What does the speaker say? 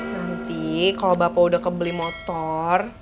nanti kalau bapak udah kebeli motor